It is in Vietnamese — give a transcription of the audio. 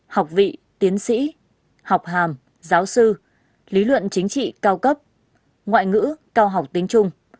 học vị tiến sĩ học hàm giáo sư lý luận chính trị cao cấp ngoại ngữ cao học tính trung